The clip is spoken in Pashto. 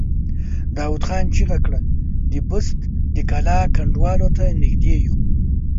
داوود خان چيغه کړه! د بست د کلا کنډوالو ته نږدې يو!